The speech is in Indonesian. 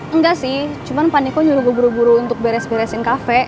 enggak sih cuman paniko nyuruh gue buru buru untuk beres beresin cafe